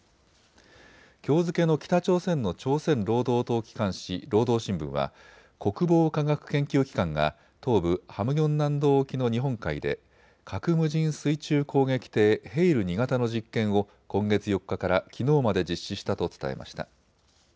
きょう付けの北朝鮮の朝鮮労働党機関紙、労働新聞は国防科学研究機関が東部ハムギョン南道沖の日本海で核無人水中攻撃艇ヘイル２型の実験を今月４日からきのうまで実施したと伝えました。